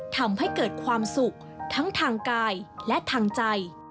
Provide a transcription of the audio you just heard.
ทำให้เกิดความสุขทั้งทางกายและทางใจ